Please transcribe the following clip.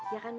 ya kan ma